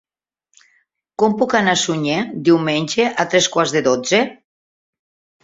Com puc anar a Sunyer diumenge a tres quarts de dotze?